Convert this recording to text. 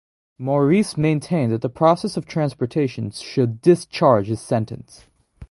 Maurice maintained that the process of transportation should discharge his sentence.